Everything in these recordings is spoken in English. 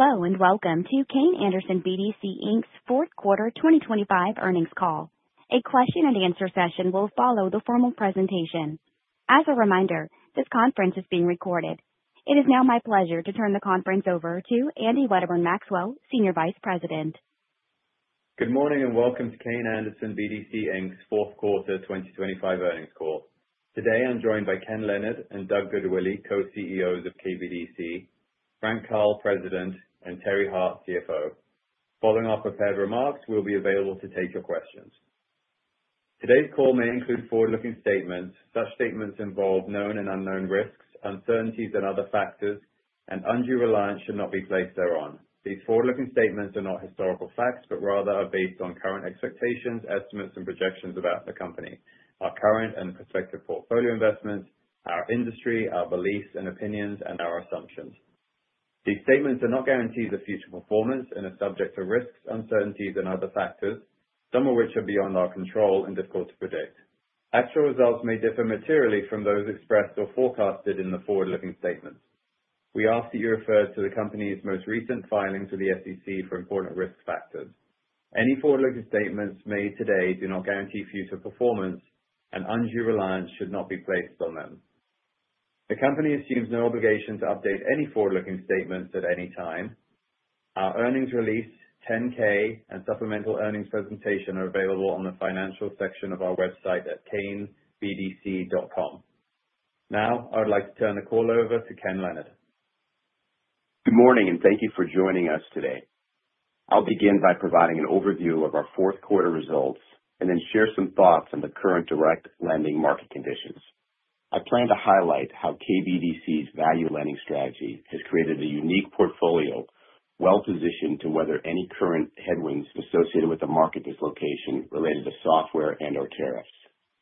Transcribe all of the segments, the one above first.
Hello, welcome to Kayne Anderson BDC, Inc.'s Q4 2025 Earnings Call. A question and answer session will follow the formal presentation. As a reminder, this conference is being recorded. It is now my pleasure to turn the conference over to Andy Wedderburn-Maxwell, Senior Vice President. Good morning, and welcome to Kayne Anderson BDC, Inc.'s Q4 2025 Earnings Call. Today, I'm joined by Ken Leonard and Doug Goodwillie, Co-CEOs of KBDC, Frank Karl, President, and Terry Hart, CFO. Following our prepared remarks, we'll be available to take your questions. Today's call may include forward-looking statements. Such statements involve known and unknown risks, uncertainties and other factors, and undue reliance should not be placed thereon. These forward-looking statements are not historical facts, but rather are based on current expectations, estimates and projections about the company, our current and prospective portfolio investments, our industry, our beliefs and opinions, and our assumptions. These statements are not guarantees of future performance and are subject to risks, uncertainties and other factors, some of which are beyond our control and difficult to predict. Actual results may differ materially from those expressed or forecasted in the forward-looking statements. We ask that you refer to the company's most recent filings with the SEC for important risk factors. Any forward-looking statements made today do not guarantee future performance, and undue reliance should not be placed on them. The company assumes no obligation to update any forward-looking statements at any time. Our earnings release, 10-K, and supplemental earnings presentation are available on the financial section of our website at kaynebdc.com. Now, I would like to turn the call over to Ken Leonard. Good morning, and thank you for joining us today. I'll begin by providing an overview of our fourth quarter results, and then share some thoughts on the current direct lending market conditions. I plan to highlight how KBDC's value lending strategy has created a unique portfolio well-positioned to weather any current headwinds associated with the market dislocation related to software and/or tariffs.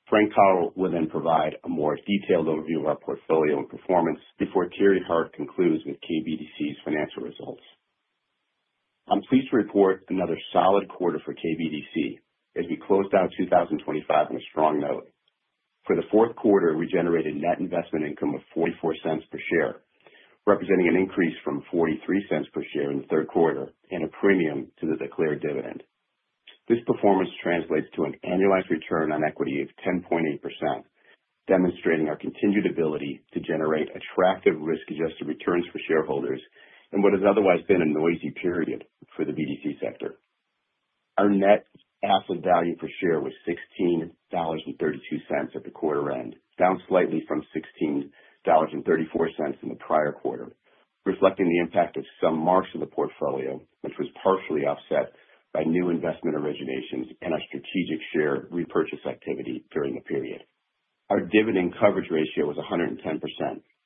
Frank Karl will then provide a more detailed overview of our portfolio and performance before Terry Hart concludes with KBDC's financial results. I'm pleased to report another solid quarter for KBDC as we close out 2025 on a strong note. For the fourth quarter, we generated net investment income of $0.44 per share, representing an increase from $0.43 per share in the Q3 and a premium to the declared dividend. This performance translates to an annualized return on equity of 10.8%, demonstrating our continued ability to generate attractive risk-adjusted returns for shareholders in what has otherwise been a noisy period for the BDC sector. Our net asset value per share was $16.32 at the quarter end, down slightly from $16.34 in the prior quarter, reflecting the impact of some marks in the portfolio, which was partially offset by new investment originations and our strategic share repurchase activity during the period. Our dividend coverage ratio was 110%,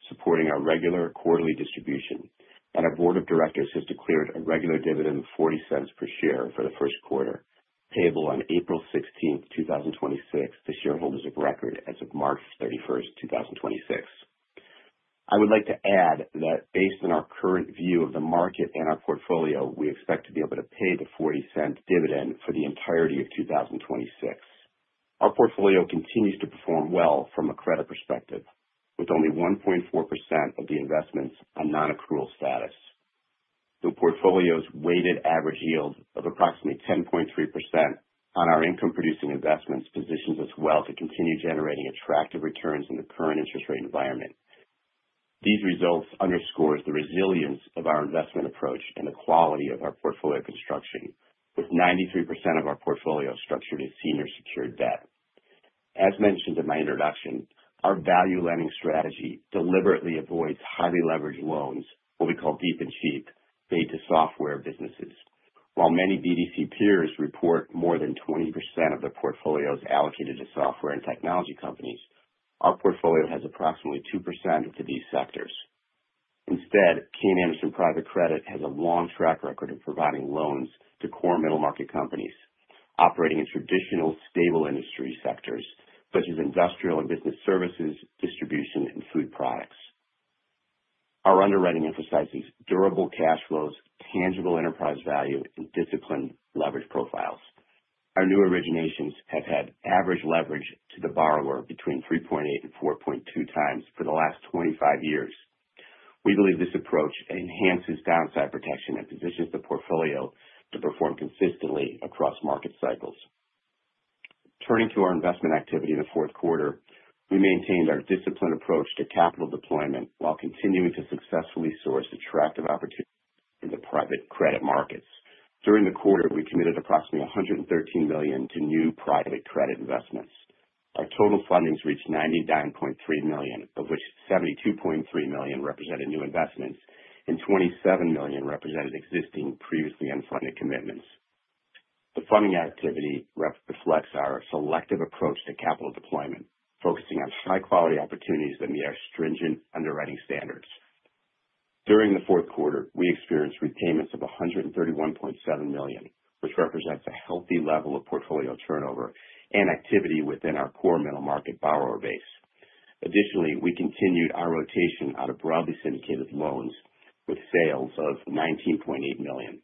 supporting our regular quarterly distribution. Our board of directors has declared a regular dividend of $0.40 per share for the Q1, payable on April 16th, 2026 to shareholders of record as of March 31st, 2026. I would like to add that based on our current view of the market and our portfolio, we expect to be able to pay the $0.40 dividend for the entirety of 2026. Our portfolio continues to perform well from a credit perspective, with only 1.4% of the investments on non-accrual status. The portfolio's weighted average yield of approximately 10.3% on our income-producing investments positions us well to continue generating attractive returns in the current interest rate environment. These results underscores the resilience of our investment approach and the quality of our portfolio construction, with 93% of our portfolio structured as senior secured debt. As mentioned in my introduction, our value lending strategy deliberately avoids highly leveraged loans, what we call deep and cheap, made to software businesses. While many BDC peers report more than 20% of their portfolios allocated to software and technology companies, our portfolio has approximately 2% to these sectors. Kayne Anderson Private Credit has a long track record of providing loans to core middle market companies operating in traditional, stable industry sectors such as industrial and business services, distribution, and food products. Our underwriting emphasizes durable cash flows, tangible enterprise value, and disciplined leverage profiles. Our new originations have had average leverage to the borrower between 3.8x and 4.2x for the last 25 years. We believe this approach enhances downside protection and positions the portfolio to perform consistently across market cycles. Turning to our investment activity in the fourth quarter, we maintained our disciplined approach to capital deployment while continuing to successfully source attractive opportunities in the private credit markets. During the quarter, we committed approximately $113 million to new private credit investments. Our total fundings reached $99.3 million, of which $72.3 million represented new investments and $27 million represented existing previously unfunded commitments. The funding activity reflects our selective approach to capital deployment, focusing on high-quality opportunities that meet our stringent underwriting standards. During the Q4, we experienced repayments of $131.7 million, which represents a healthy level of portfolio turnover and activity within our core middle market borrower base. Additionally, we continued our rotation out of broadly syndicated loans with sales of $19.8 million.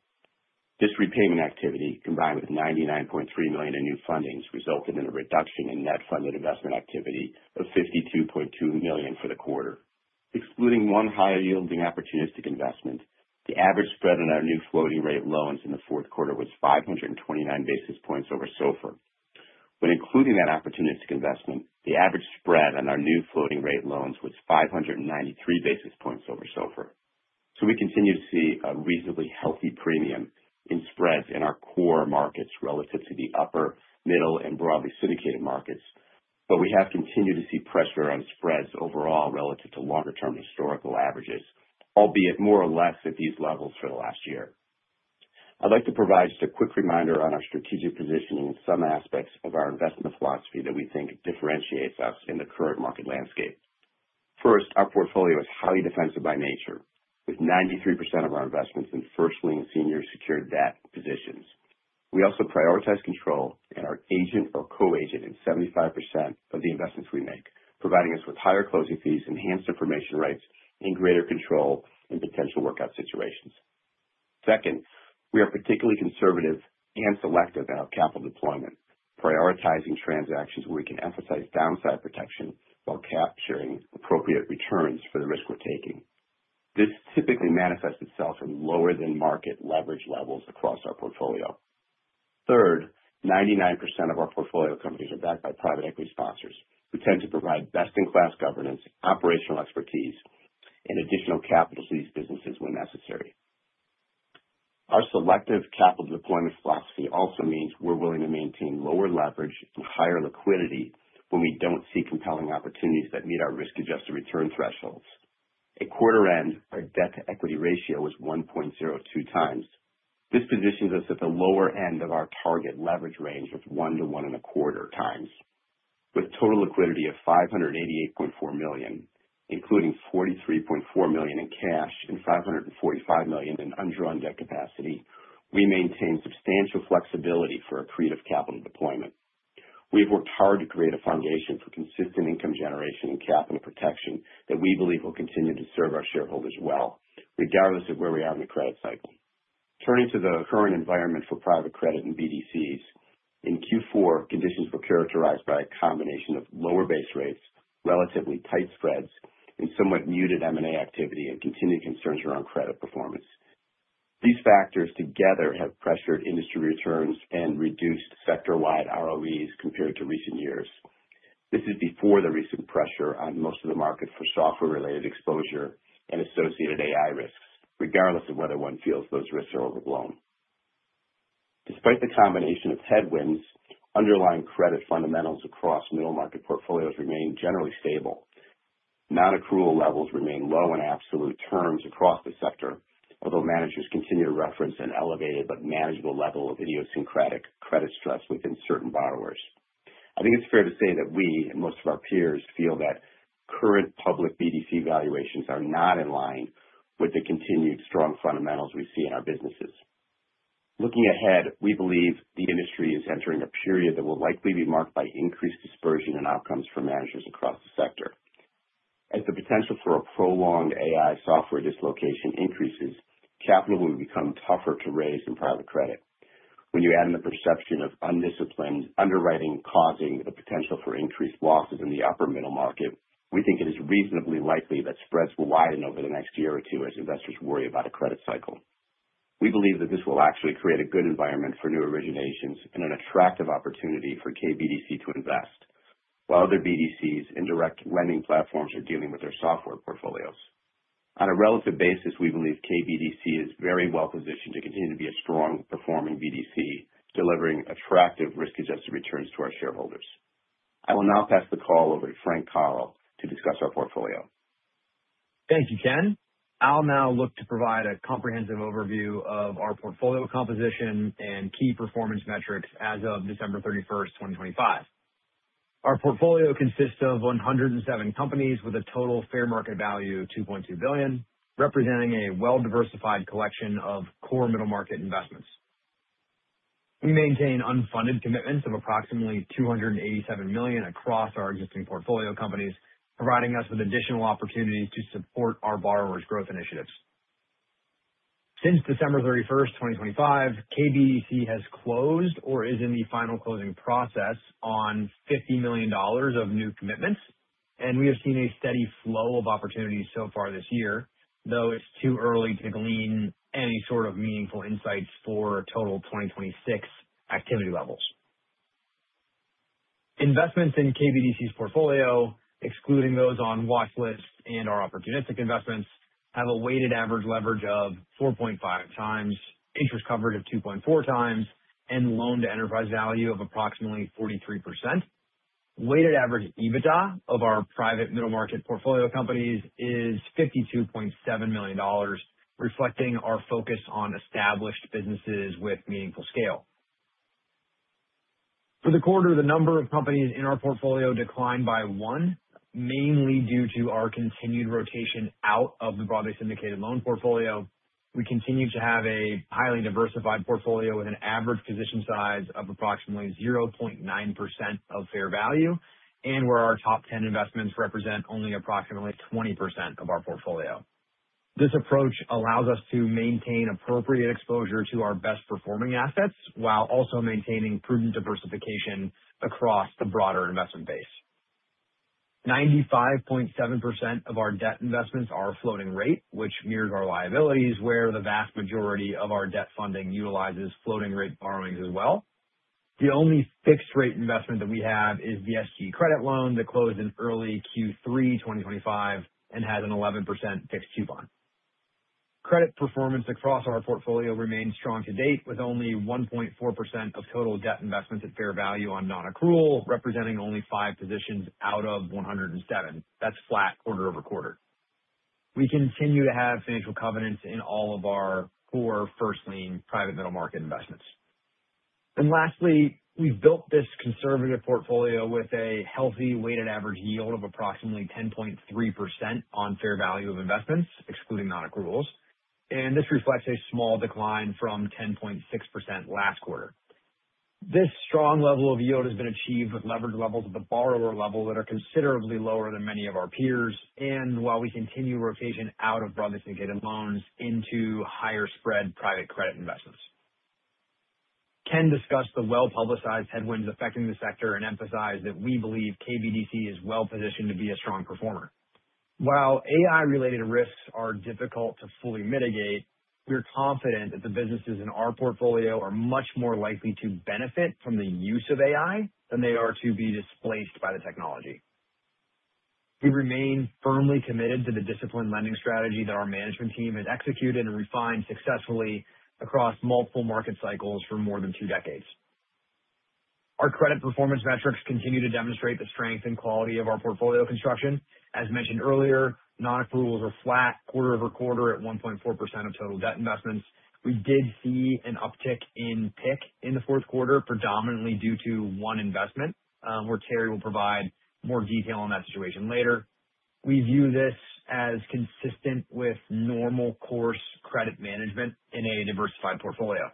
This repayment activity, combined with $99.3 million in new fundings, resulted in a reduction in net funded investment activity of $52.2 million for the quarter. Excluding one higher-yielding opportunistic investment, the average spread on our new floating rate loans in the Q4 was 529 basis points over SOFR. When including that opportunistic investment, the average spread on our new floating rate loans was 593 basis points over SOFR. We continue to see a reasonably healthy premium in spreads in our core markets relative to the upper, middle, and broadly syndicated markets. We have continued to see pressure on spreads overall relative to longer-term historical averages, albeit more or less at these levels for the last year. I'd like to provide just a quick reminder on our strategic positioning and some aspects of our investment philosophy that we think differentiates us in the current market landscape. First, our portfolio is highly defensive by nature, with 93% of our investments in first lien senior secured debt positions. We also prioritize control and are agent or co-agent in 75% of the investments we make, providing us with higher closing fees, enhanced information rights, and greater control in potential workout situations. Second, we are particularly conservative and selective in our capital deployment, prioritizing transactions where we can emphasize downside protection while capturing appropriate returns for the risk we're taking. This typically manifests itself in lower than market leverage levels across our portfolio. Third, 99% of our portfolio companies are backed by private equity sponsors who tend to provide best-in-class governance, operational expertise, and additional capital to these businesses when necessary. Our selective capital deployment philosophy also means we're willing to maintain lower leverage and higher liquidity when we don't see compelling opportunities that meet our risk-adjusted return thresholds. At quarter end, our debt-to-equity ratio was 1.02x. This positions us at the lower end of our target leverage range of one to 1.25x. With total liquidity of $588.4 million, including $43.4 million in cash and $545 million in undrawn debt capacity, we maintain substantial flexibility for accretive capital deployment. We have worked hard to create a foundation for consistent income generation and capital protection that we believe will continue to serve our shareholders well, regardless of where we are in the credit cycle. Turning to the current environment for private credit and BDCs. In Q4, conditions were characterized by a combination of lower base rates, relatively tight spreads, somewhat muted M&A activity and continued concerns around credit performance. These factors together have pressured industry returns and reduced sector-wide ROEs compared to recent years. This is before the recent pressure on most of the market for software-related exposure and associated AI risks, regardless of whether one feels those risks are overblown. Despite the combination of headwinds, underlying credit fundamentals across middle market portfolios remain generally stable. Non-accrual levels remain low in absolute terms across the sector, although managers continue to reference an elevated but manageable level of idiosyncratic credit stress within certain borrowers. I think it's fair to say that we and most of our peers feel that current public BDC valuations are not in line with the continued strong fundamentals we see in our businesses. Looking ahead, we believe the industry is entering a period that will likely be marked by increased dispersion and outcomes for managers across the sector. As the potential for a prolonged AI software dislocation increases, capital will become tougher to raise in private credit. When you add in the perception of undisciplined underwriting causing the potential for increased losses in the upper middle market, we think it is reasonably likely that spreads will widen over the next year or two as investors worry about a credit cycle. We believe that this will actually create a good environment for new originations and an attractive opportunity for KBDC to invest while other BDCs and direct lending platforms are dealing with their SOFR portfolios. On a relative basis, we believe KBDC is very well positioned to continue to be a strong performing BDC, delivering attractive risk-adjusted returns to our shareholders. I will now pass the call over to Frank Karl to discuss our portfolio. Thank you, Ken. I'll now look to provide a comprehensive overview of our portfolio composition and key performance metrics as of December 31st, 2025. Our portfolio consists of 107 companies with a total fair market value of $2.2 billion, representing a well-diversified collection of core middle market investments. We maintain unfunded commitments of approximately $287 million across our existing portfolio companies, providing us with additional opportunities to support our borrowers' growth initiatives. Since December 31st, 2025, KBDC has closed or is in the final closing process on $50 million of new commitments, we have seen a steady flow of opportunities so far this year. Though it's too early to glean any sort of meaningful insights for total 2026 activity levels. Investments in KBDC's portfolio, excluding those on watch lists and our opportunistic investments, have a weighted average leverage of 4.5x, interest coverage of 2.4x, and loan-to-enterprise value of approximately 43%. Weighted average EBITDA of our private middle market portfolio companies is $52.7 million, reflecting our focus on established businesses with meaningful scale. For the quarter, the number of companies in our portfolio declined by one, mainly due to our continued rotation out of the broadly syndicated loan portfolio. We continue to have a highly diversified portfolio with an average position size of approximately 0.9% of fair value, and where our top 10 investments represent only approximately 20% of our portfolio. This approach allows us to maintain appropriate exposure to our best performing assets while also maintaining prudent diversification across the broader investment base. 95.7% of our debt investments are floating rate, which mirrors our liabilities, where the vast majority of our debt funding utilizes floating rate borrowings as well. The only fixed rate investment that we have is the SG Credit loan that closed in early Q3 2025 and has an 11% fixed coupon. Credit performance across our portfolio remains strong to date, with only 1.4% of total debt investments at fair value on non-accrual, representing only five positions out of 107. That's flat quarter-over-quarter. We continue to have financial covenants in all of our core first lien private middle market investments. Lastly, we've built this conservative portfolio with a healthy weighted average yield of approximately 10.3% on fair value of investments, excluding non-accruals. This reflects a small decline from 10.6% last quarter. This strong level of yield has been achieved with leverage levels at the borrower level that are considerably lower than many of our peers. While we continue rotation out of broadly syndicated loans into higher spread private credit investments. Ken discussed the well-publicized headwinds affecting the sector and emphasized that we believe KBDC is well-positioned to be a strong performer. While AI-related risks are difficult to fully mitigate, we are confident that the businesses in our portfolio are much more likely to benefit from the use of AI than they are to be displaced by the technology. We remain firmly committed to the disciplined lending strategy that our management team has executed and refined successfully across multiple market cycles for more than two decades. Our credit performance metrics continue to demonstrate the strength and quality of our portfolio construction. As mentioned earlier, non-accruals are flat quarter-over-quarter at 1.4% of total debt investments. We did see an uptick in PIC in the fourth quarter, predominantly due to one investment, where Terry will provide more detail on that situation later. We view this as consistent with normal course credit management in a diversified portfolio.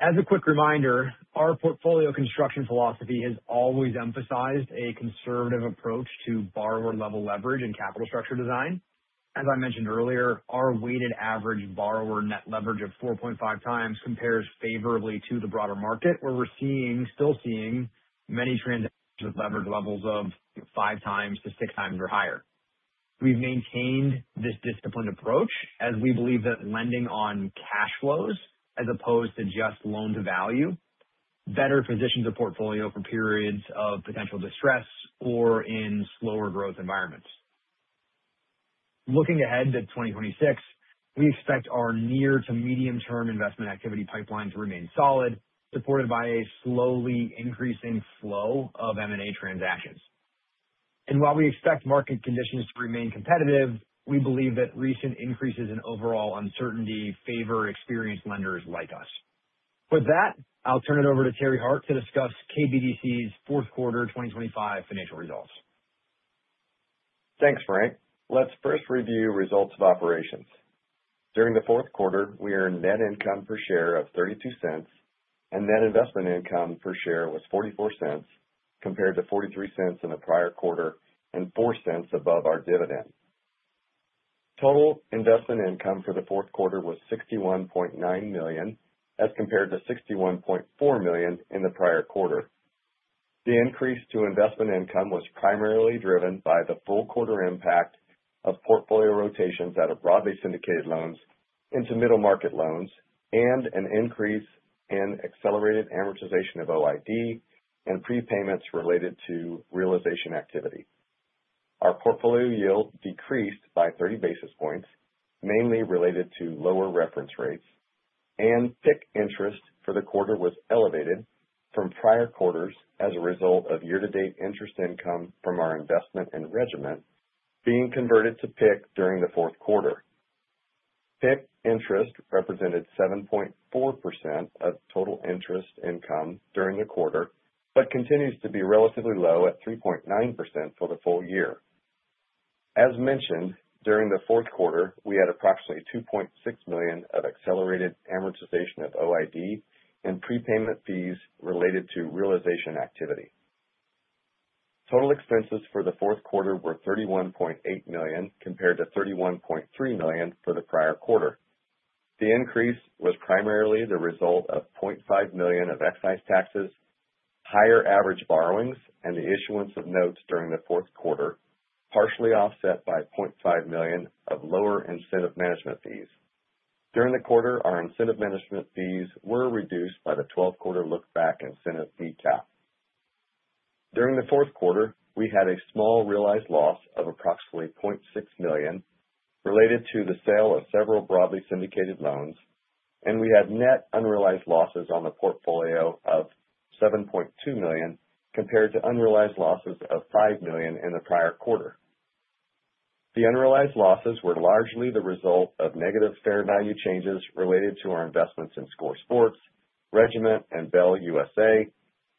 As a quick reminder, our portfolio construction philosophy has always emphasized a conservative approach to borrower level leverage and capital structure design. As I mentioned earlier, our weighted average borrower net leverage of 4.5x compares favorably to the broader market, where we're still seeing many transactions with leverage levels of 5x to 6x or higher. We've maintained this disciplined approach as we believe that lending on cash flows as opposed to just loan to value better positions a portfolio for periods of potential distress or in slower growth environments. Looking ahead to 2026, we expect our near to medium term investment activity pipeline to remain solid, supported by a slowly increasing flow of M&A transactions. While we expect market conditions to remain competitive, we believe that recent increases in overall uncertainty favor experienced lenders like us. With that, I'll turn it over to Terry Hart to discuss KBDC's Q4 2025 financial results. Thanks, Frank. Let's first review results of operations. During the fourth quarter, we earned net income per share of $0.32, and net investment income per share was $0.44, compared to $0.43 in the prior quarter and $0.04 above our dividend. Total investment income for the fourth quarter was $61.9 million as compared to $61.4 million in the prior quarter. The increase to investment income was primarily driven by the full quarter impact of portfolio rotations out of broadly syndicated loans into middle market loans and an increase in accelerated amortization of OID and prepayments related to realization activity. Our portfolio yield decreased by 30 basis points, mainly related to lower reference rates. PIC interest for the quarter was elevated from prior quarters as a result of year-to-date interest income from our investment in Regiment being converted to PIC during the fourth quarter. PIC interest represented 7.4% of total interest income during the quarter, but continues to be relatively low at 3.9% for the full year. As mentioned, during the fourth quarter, we had approximately $2.6 million of accelerated amortization of OID and prepayment fees related to realization activity. Total expenses for the fourth quarter were $31.8 million, compared to $31.3 million for the prior quarter. The increase was primarily the result of $0.5 million of excise taxes, higher average borrowings, and the issuance of notes during the fourth quarter, partially offset by $0.5 million of lower incentive management fees. During the quarter, our incentive management fees were reduced by the 12-quarter look-back incentive fee cap. During the fourth quarter, we had a small realized loss of approximately $0.6 million related to the sale of several broadly syndicated loans, and we had net unrealized losses on the portfolio of $7.2 million, compared to unrealized losses of $5 million in the prior quarter. The unrealized losses were largely the result of negative fair value changes related to our investments in SCORE Sports, Regiment and Bell USA,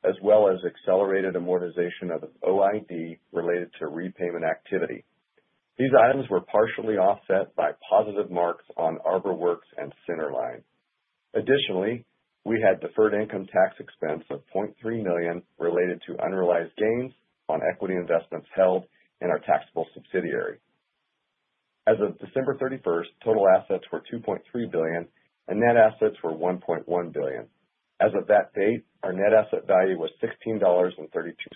as well as accelerated amortization of OID related to repayment activity. These items were partially offset by positive marks on ArborWorks and Centerline. We had deferred income tax expense of $0.3 million related to unrealized gains on equity investments held in our taxable subsidiary. As of December 31st, total assets were $2.3 billion, and net assets were $1.1 billion. As of that date, our Net Asset Value was $16.32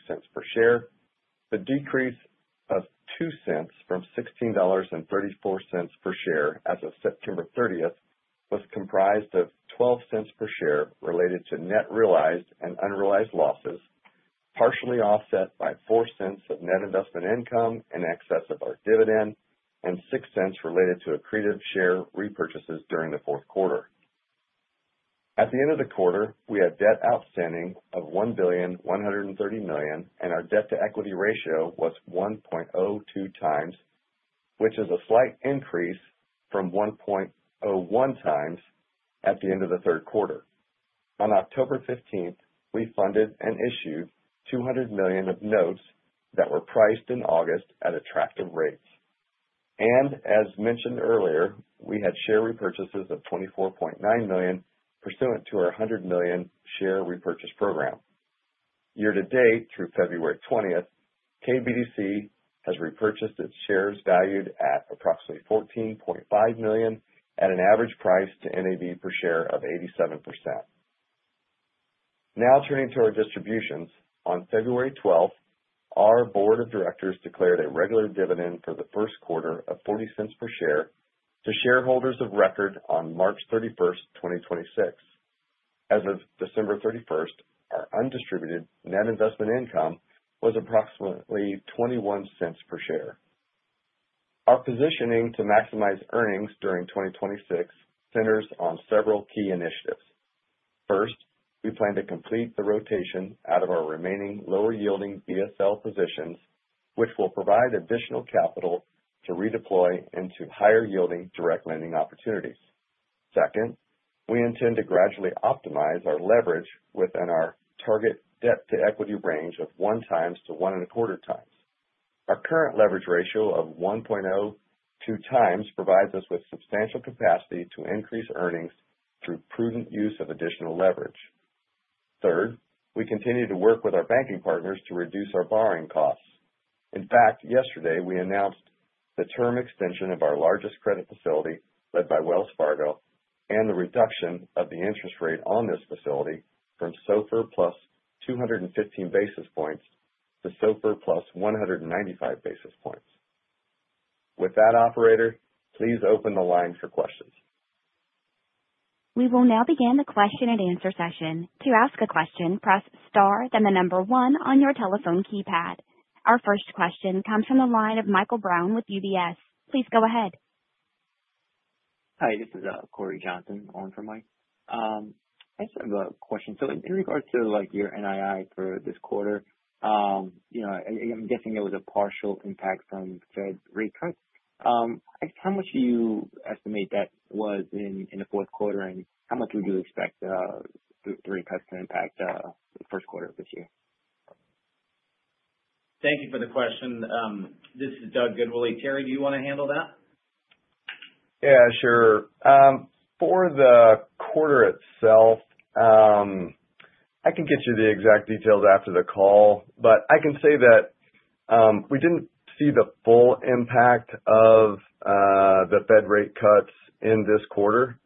per share. The decrease of $0.02 from $16.34 per share as of September 30th was comprised of $0.12 per share related to net realized and unrealized losses, partially offset by $0.04 of Net Investment Income in excess of our dividend and $0.06 related to accretive share repurchases during the Q4. At the end of the quarter, we had debt outstanding of $1.13 billion, and our debt-to-equity ratio was 1.02x, which is a slight increase from 1.01x at the end of the Q3. On October 15th, we funded and issued $200 million of notes that were priced in August at attractive rates. As mentioned earlier, we had share repurchases of $24.9 million pursuant to our $100 million share repurchase program. Year to date through February 20th, KBDC has repurchased its shares valued at approximately $14.5 million at an average price to NAV per share of 87%. Now turning to our distributions. On February 12th, our board of directors declared a regular dividend for the Q1 of $0.40 per share to shareholders of record on March 31st, 2026. As of December 31st, our undistributed net investment income was approximately $0.21 per share. Our positioning to maximize earnings during 2026 centers on several key initiatives. First, we plan to complete the rotation out of our remaining lower yielding BSL positions, which will provide additional capital to redeploy into higher yielding direct lending opportunities. Second, we intend to gradually optimize our leverage within our target debt-to-equity range of 1x to 1.25x. Our current leverage ratio of 1.02x provides us with substantial capacity to increase earnings through prudent use of additional leverage. Third, we continue to work with our banking partners to reduce our borrowing costs. In fact, yesterday we announced the term extension of our largest credit facility led by Wells Fargo and the reduction of the interest rate on this facility from SOFR plus 215 basis points to SOFR plus 195 basis points. With that operator, please open the line for questions. We will now begin the question-and-answer session. To ask a question, press star then the number 1 on your telephone keypad. Our first question comes from the line of Michael Brown with UBS. Please go ahead. Hi, this is Cory Johnson on for Mike. I just have a question. In regards to, like, your NII for this quarter, you know, I'm guessing it was a partial impact on Fed rate cuts. I guess how much do you estimate that was in the fourth quarter? How much would you expect the rate cuts to impact the Q1 of this year? Thank you for the question. This is Doug Goodwillie. Terry, do you want to handle that? Yeah, sure. For the quarter itself, I can get you the exact details after the call, but I can say that we didn't see the full impact of the Fed rate cuts in this quarter.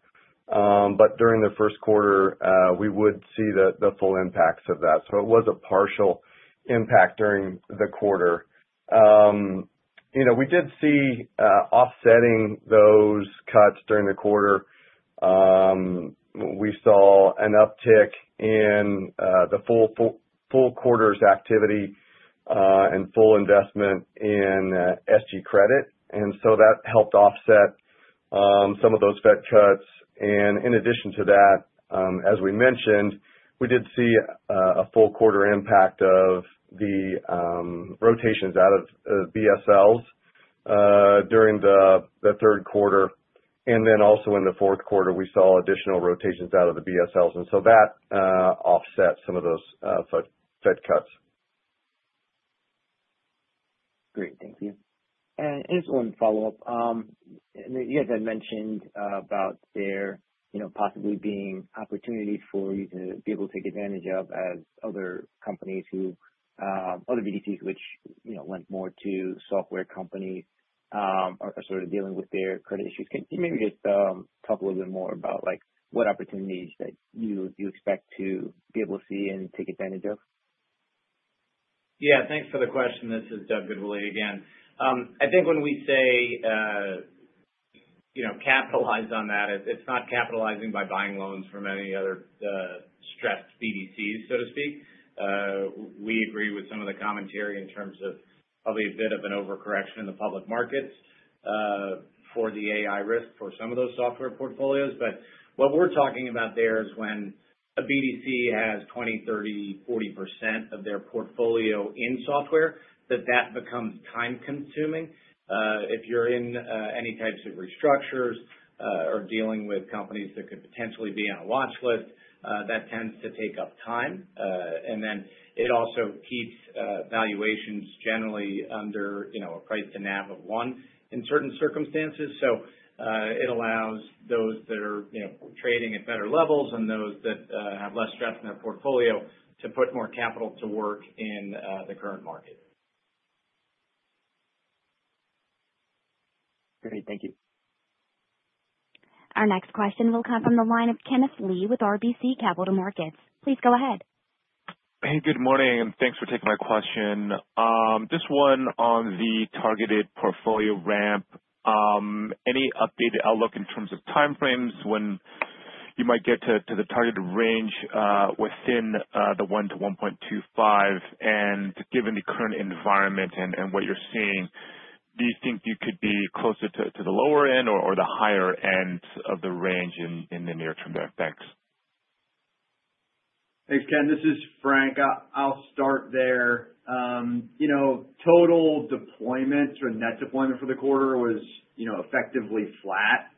But during the first quarter, we would see the full impacts of that. So it was a partial impact during the quarter. You know, we did see offsetting those cuts during the quarter. We saw an uptick in the full, full quarter's activity and full investment in SG credit, and so that helped offset some of those Fed cuts. And in addition to that, as we mentioned, we did see a full quarter impact of the rotations out of BSLs during the third quarter. Then also in the Q4 we saw additional rotations out of the BSLs. That offset some of those Fed cuts. Great. Thank you. Just one follow-up. You guys had mentioned about there, you know, possibly being opportunity for you to be able to take advantage of as other companies who, other BDCs which you know, lent more to software companies, are sort of dealing with their credit issues. Can you maybe just talk a little bit more about like what opportunities that you expect to be able to see and take advantage of? Yeah. Thanks for the question. This is Doug Goodwillie again. I think when we say, you know, capitalize on that, it's not capitalizing by buying loans from any other, stressed BDCs, so to speak. We agree with some of the commentary in terms of probably a bit of an overcorrection in the public markets, for the AI risk for some of those software portfolios. What we're talking about there is when a BDC has 20%, 30%, 40% of their portfolio in software, that becomes time-consuming. If you're in any types of restructures, or dealing with companies that could potentially be on a watch list, that tends to take up time. And then it also keeps valuations generally under, you know, a price to NAV of 1 in certain circumstances. It allows those that are, you know, trading at better levels and those that have less stress in their portfolio to put more capital to work in the current market. Great. Thank you. Our next question will come from the line of Kenneth Lee with RBC Capital Markets. Please go ahead. Hey, good morning, and thanks for taking my question. Just one on the targeted portfolio ramp. Any updated outlook in terms of time frames when you might get to the targeted range, within the 1-1.25? Given the current environment and what you're seeing, do you think you could be closer to the lower end or the higher end of the range in the near term there? Thanks. Thanks, Ken. This is Frank. I'll start there. You know, total deployments or net deployment for the quarter was, you know, effectively flat.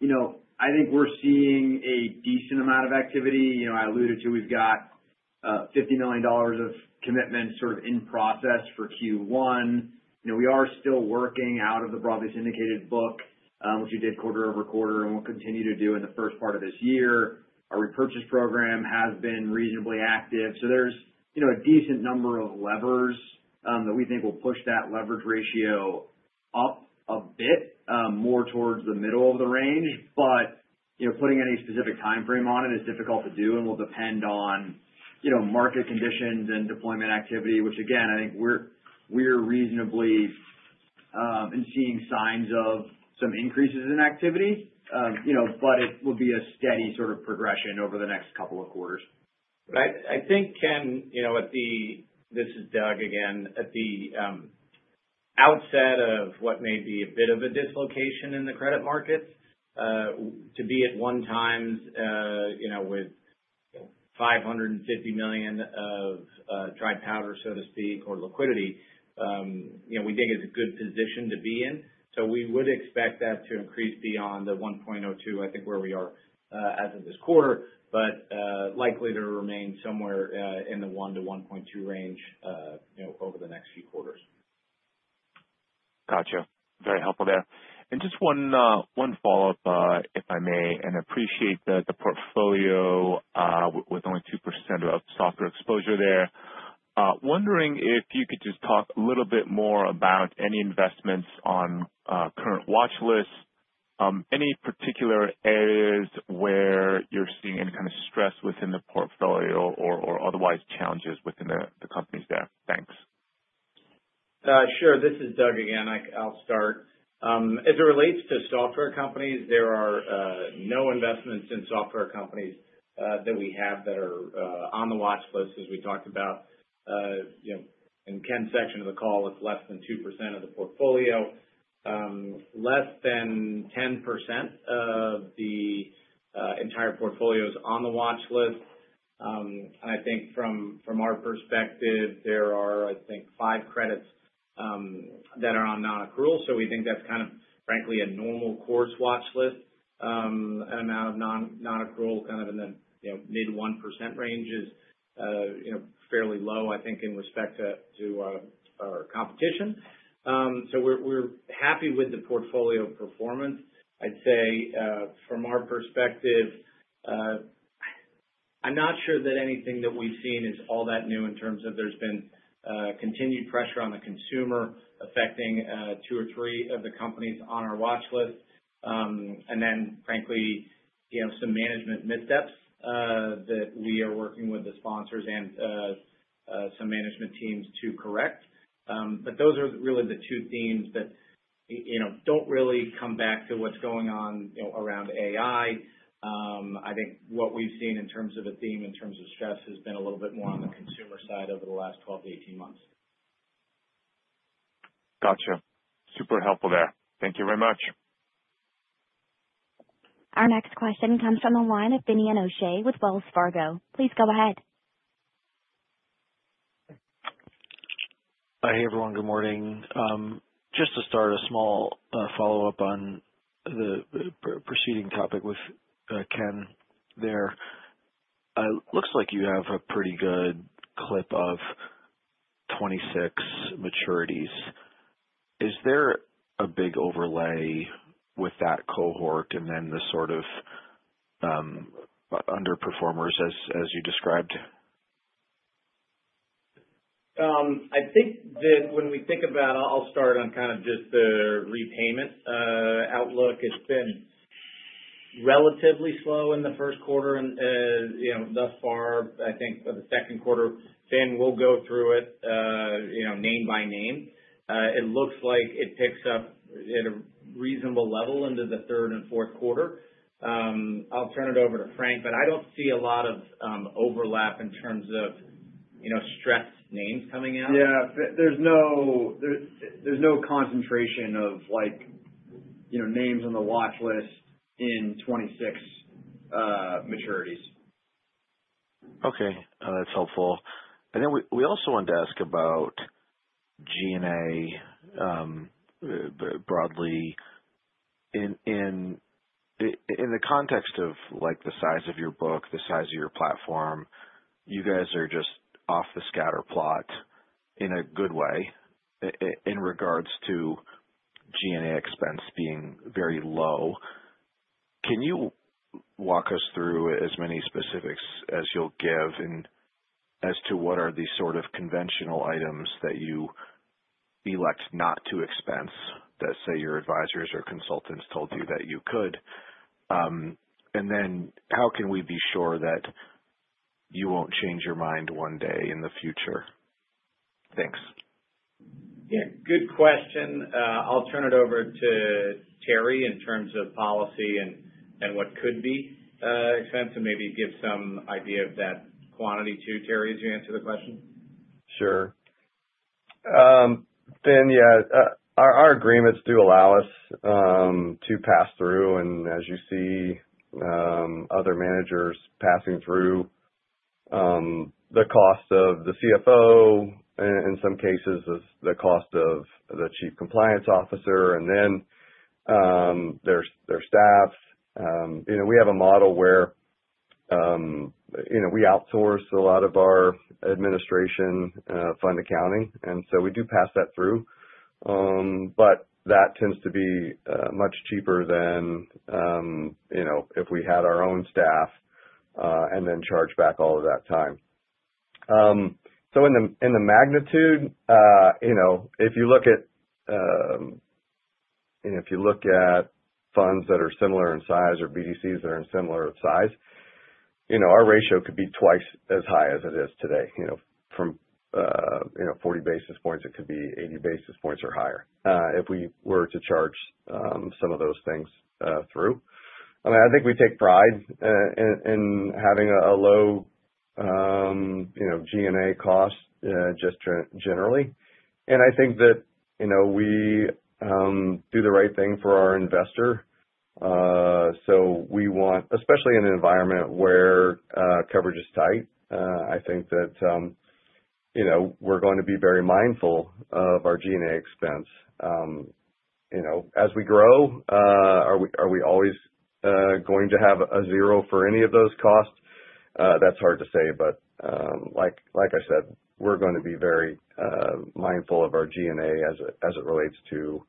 You know, I think we're seeing a decent amount of activity. You know, I alluded to we've got $50 million of commitments sort of in process for Q1. You know, we are still working out of the broadly syndicated book, which we did quarter-over-quarter and will continue to do in the first part of this year. Our repurchase program has been reasonably active. There's, you know, a decent number of levers that we think will push that leverage ratio up a bit more towards the middle of the range. You know, putting any specific time frame on it is difficult to do and will depend on, you know, market conditions and deployment activity, which again, I think we're reasonably seeing signs of some increases in activity. You know, but it will be a steady sort of progression over the next couple of quarters. I think, Ken, you know, this is Doug again. At the outset of what may be a bit of a dislocation in the credit markets, to be at one times, you know, with $550 million of dry powder, so to speak, or liquidity, you know, we think it's a good position to be in. We would expect that to increase beyond the 1.02, I think, where we are as of this quarter. likely to remain somewhere, in the 1 to 1.2 range, you know, over the next few quarters. Gotcha. Very helpful there. Just one follow-up, if I may, and appreciate the portfolio, with only 2% of software exposure there. Wondering if you could just talk a little bit more about any investments on, current watch lists, any particular areas where you're seeing any kind of stress within the portfolio or otherwise challenges within the companies there. Thanks. Sure. This is Doug again. I'll start. As it relates to software companies, there are no investments in software companies that we have that are on the watch list, as we talked about. You know, in Ken's section of the call, it's less than 2% of the portfolio. Less than 10% of the entire portfolio is on the watch list. I think from our perspective, there are, I think, five credits that are on non-accrual. We think that's kind of frankly a normal course watch list. An amount of non-accrual kind of in the, you know, mid 1% range is, you know, fairly low, I think, in respect to our competition. We're happy with the portfolio performance. I'd say, from our perspective, I'm not sure that anything that we've seen is all that new in terms of there's been continued pressure on the consumer affecting two or three of the companies on our watch list. Then frankly, you know, some management missteps that we are working with the sponsors and some management teams to correct. Those are really the two themes that, you know, don't really come back to what's going on, you know, around AI. I think what we've seen in terms of a theme, in terms of stress, has been a little bit more on the consumer side over the last 12 to 18 months. Gotcha. Super helpful there. Thank you very much. Our next question comes from the line of Finian O'Shea with Wells Fargo. Please go ahead. Hey, everyone. Good morning. Just to start a small follow-up on the proceeding topic with Ken there. Looks like you have a pretty good clip of 26 maturities. Is there a big overlay with that cohort and then the sort of underperformers as you described? I think that when we think about I'll start on kind of just the repayment outlook. It's been relatively slow in the first quarter and, you know, thus far, I think, for the second quarter. Fin, we'll go through it, you know, name by name. It looks like it picks up at a reasonable level into the third and fourth quarter. I'll turn it over to Frank, but I don't see a lot of overlap in terms of, you know, stressed names coming out. There's no concentration of like, you know, names on the watch list in 26 maturities. Okay. That's helpful. We also wanted to ask about G&A broadly. In the context of, like, the size of your book, the size of your platform, you guys are just off the scatter plot in a good way in regards to G&A expense being very low. Can you walk us through as many specifics as you'll give in as to what are the sort of conventional items that you elect not to expense that, say, your advisors or consultants told you that you could? How can we be sure that you won't change your mind one day in the future? Thanks. Yeah. Good question. I'll turn it over to Terry in terms of policy and what could be expense, and maybe give some idea of that quantity too, Terry, as you answer the question. Sure. Fin, our agreements do allow us to pass through, as you see, other managers passing through, the cost of the CFO, in some cases, the cost of the chief compliance officer and then, their staff. You know, we have a model where, you know, we outsource a lot of our administration, fund accounting, we do pass that through. That tends to be much cheaper than, you know, if we had our own staff, then charge back all of that time. In the, in the magnitude, you know, if you look at you know, if you look at funds that are similar in size or BDCs that are in similar size, you know, our ratio could be twice as high as it is today. You know, from, you know, 40 basis points, it could be 80 basis points or higher, if we were to charge some of those things through. I mean, I think we take pride in having a low, you know, G&A cost, just generally. I think that, you know, we do the right thing for our investor. Especially in an environment where coverage is tight, I think that, you know, we're going to be very mindful of our G&A expense. You know, as we grow, are we always, going to have a zero for any of those costs? That's hard to say. Like I said, we're gonna be very, mindful of our G&A as it relates to,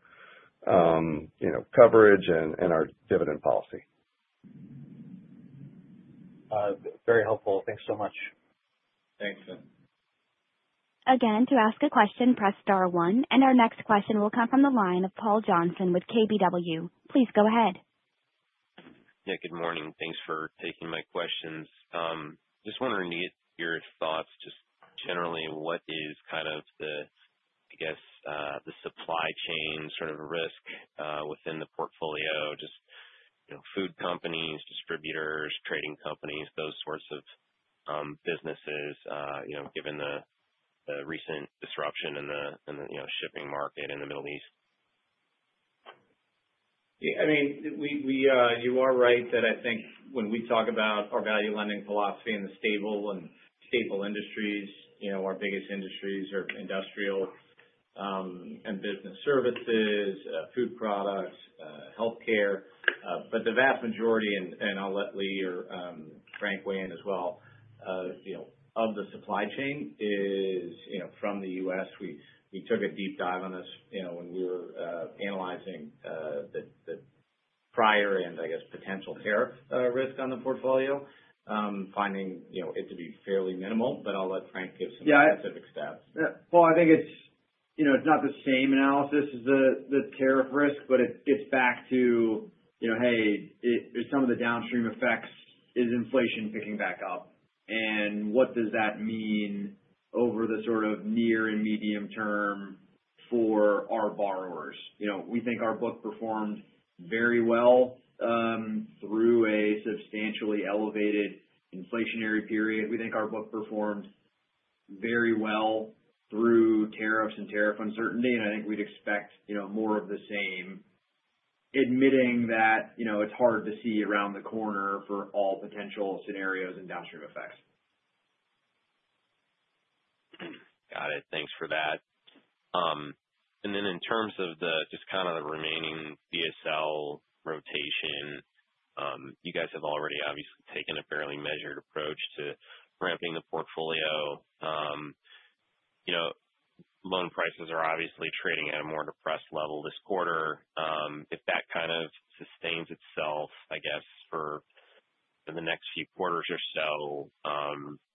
you know, coverage and our dividend policy. Very helpful. Thanks so much. Thanks, Fin. Again, to ask a question, press star one. Our next question will come from the line of Paul Johnson with KBW. Please go ahead. Good morning. Thanks for taking my questions. Just wondering your thoughts just generally, what is kind of the, I guess, the supply chain sort of risk within the portfolio, just, you know, food companies, distributors, trading companies, those sorts of businesses, you know, given the recent disruption in the, you know, shipping market in the Middle East? I mean, we, you are right that I think when we talk about our value lending philosophy and the stable and staple industries, you know, our biggest industries are industrial, and business services, food products, healthcare. The vast majority, and I'll let Lee or Frank weigh in as well, you know, of the supply chain is, you know, from the US. We took a deep dive on this, you know, when we were analyzing the prior and I guess potential tariff risk on the portfolio, finding, you know, it to be fairly minimal. I'll let Frank give some specific stats. Yeah. Well, I think it's, you know, it's not the same analysis as the tariff risk, but it gets back to, you know, hey, some of the downstream effects is inflation picking back up, and what does that mean over the sort of near and medium term for our borrowers? You know, we think our book performed very well through a substantially elevated inflationary period. We think our book performed very well through tariffs and tariff uncertainty. I think we'd expect, you know, more of the same, admitting that, you know, it's hard to see around the corner for all potential scenarios and downstream effects. Got it. Thanks for that. In terms of the just kind of the remaining BSL rotation, you guys have already obviously taken a fairly measured approach to ramping the portfolio. You know, loan prices are obviously trading at a more depressed level this quarter. If that kind of sustains itself, I guess, for the next few quarters or so,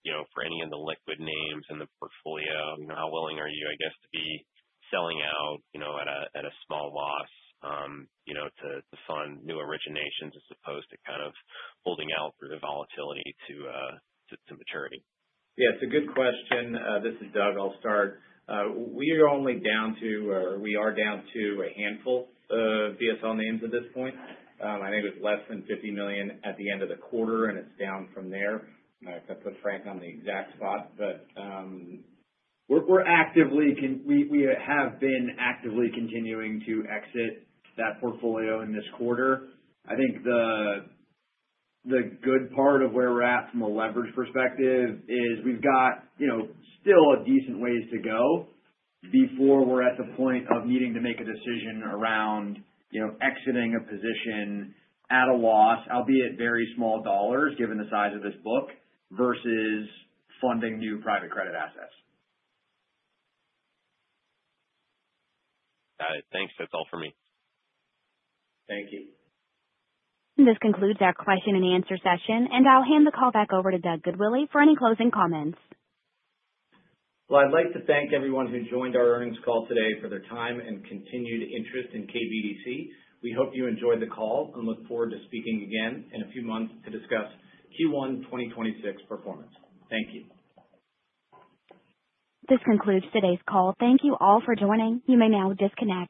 you know, for any of the liquid names in the portfolio, you know, how willing are you, I guess, to be selling out, you know, at a, at a small loss, you know, to fund new originations as opposed to kind of holding out through the volatility to maturity? Yeah, it's a good question. This is Doug. I'll start. We are only down to, or we are down to a handful of BSL names at this point. I think it's less than $50 million at the end of the quarter, and it's down from there. I put Frank on the exact spot. We have been actively continuing to exit that portfolio in this quarter. I think the good part of where we're at from a leverage perspective is we've got, you know, still a decent ways to go before we're at the point of needing to make a decision around, you know, exiting a position at a loss, albeit very small dollars given the size of this book, versus funding new private credit assets. Got it. Thanks. That's all for me. Thank you. This concludes our question-and-answer session, and I'll hand the call back over to Doug Goodwillie for any closing comments. I'd like to thank everyone who joined our earnings call today for their time and continued interest in KBDC. We hope you enjoyed the call and look forward to speaking again in a few months to discuss Q1 2026 performance. Thank you. This concludes today's call. Thank you all for joining. You may now disconnect.